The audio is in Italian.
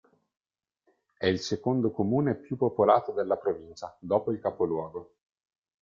È il secondo comune più popolato della provincia, dopo il capoluogo.